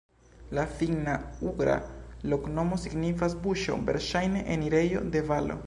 La finna-ugra loknomo signifas: buŝo, verŝajne enirejo de valo.